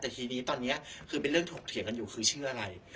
แต่ทีนี้ตอนนี้คือเป็นเรื่องถกเถียงกันอยู่คือชื่ออะไร